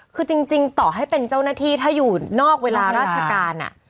คือจริงต่อให้เป็นเจ้าหน้าที่ถ้าอยู่นอกเวลาราชการ